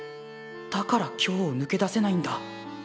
だから今日をぬけ出せないんだ。